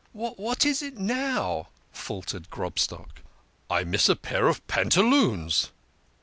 "What is it now?" faltered Grobstock. " I miss a pair of pantaloons